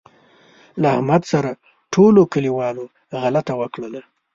له احمد سره ټولوکلیوالو غلطه وکړله.